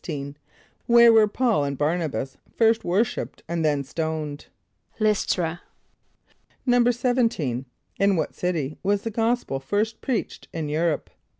= Where were P[a:]ul and Bär´na b[)a]s first worshipped and then stoned? =L[)y]s´tr[.a].= =17.= In what city was the gospel first preached in Europe?